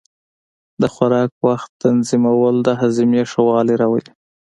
د خوراک وخت تنظیمول د هاضمې ښه والی راولي.